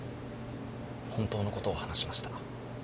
本当のことを話しました。